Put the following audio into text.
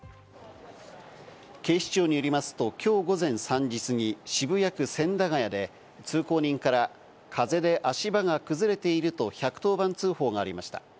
警視庁によりますと、午前３時過ぎ、渋谷区千駄ヶ谷で通行人から風で足場が崩れていると１１０番通報がありました。